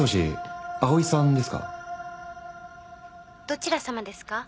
どちらさまですか？